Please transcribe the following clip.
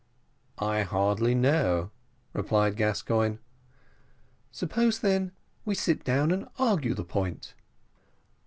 "I hardly know," replied Gascoigne. "Suppose, then, we sit down and argue the point."